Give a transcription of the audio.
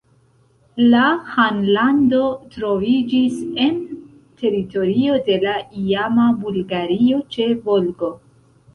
La ĥanlando troviĝis en teritorio de la iama Bulgario ĉe Volgo.